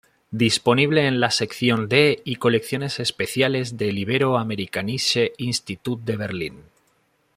Disponible en la sección de y colecciones especiales del Ibero-Amerikanische Institut de Berlín.